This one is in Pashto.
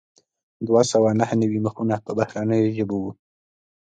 دوه سوه نهه نوي مخونه په بهرنیو ژبو وو.